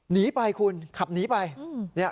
หนีไปคุณขับหนีไป